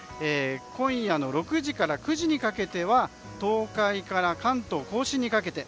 今夜の６時から９時にかけては東海から関東・甲信にかけて。